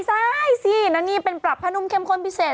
ซ้ายสิแล้วนี่เป็นปรับผ้านุ่มเข้มข้นพิเศษ